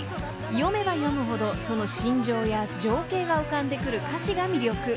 読めば読むほどその心情や情景が浮かんでくる歌詞が魅力］